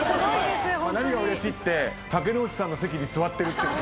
何がうれしいって竹野内さんの席に座ってるってこと。